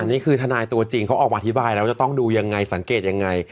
นี่คือทนายตัวจริงเขาออกมาอธิบายแล้วจะต้องดูยังไงสังเกตยังไง